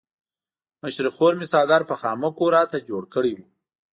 مشرې خور مې څادر په خامکو راته جوړ کړی وو.